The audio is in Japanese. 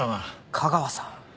架川さん。